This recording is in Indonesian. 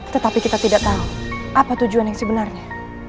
tetapi kita tidak tahu apa tujuan yang sebenarnya